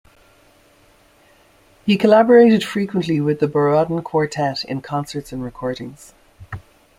He collaborated frequently with the Borodin Quartet in concerts and recordings.